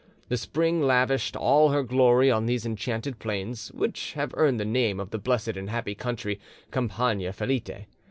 The spring lavished all her glory on these enchanted plains, which have earned the name of the blessed and happy country, campagna felite.